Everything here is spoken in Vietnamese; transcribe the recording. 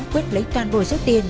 quyết lấy toàn bộ số tiền